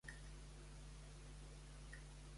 I també augmenta la sensació de calor de forma important.